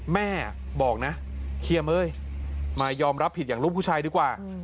แม่บอกนะเคลียร์เม้ยมายอมรับผิดอย่างลูกผู้ชายดีกว่า